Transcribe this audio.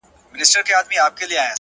• زما پیغام ته هم یو څه توجه وکړي,